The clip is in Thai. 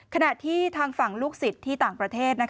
ขณะที่ทางฝั่งลูกศิษย์ที่ต่างประเทศ